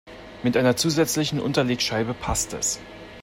Mit einer zusätzlichen Unterlegscheibe passt es.